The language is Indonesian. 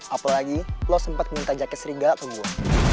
apalagi lo sempet minta jaket serigala ke gue